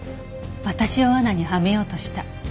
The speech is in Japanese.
私を罠にはめようとした。